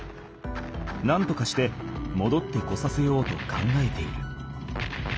なんとかしてもどってこさせようと考えている。